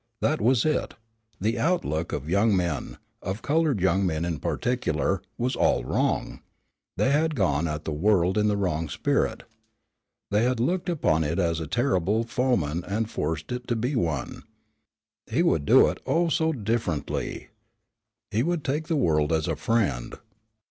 That was it: the outlook of young men, of colored young men in particular, was all wrong, they had gone at the world in the wrong spirit. They had looked upon it as a terrible foeman and forced it to be one. He would do it, oh, so differently. He would take the world as a friend.